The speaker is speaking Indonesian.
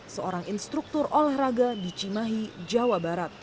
seorang instruktur olahraga di cimahi jawa barat